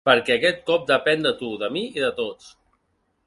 Perquè aquest cop depèn de tu, de mi i de tots.